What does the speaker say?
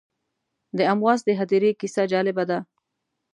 د امواس د هدیرې کیسه جالبه ده.